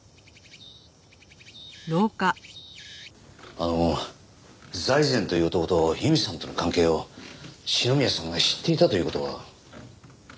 あの財前という男と由美さんとの関係を篠宮さんが知っていたという事は？